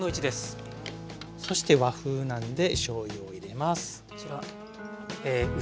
そして和風なんでしょうゆを入れます。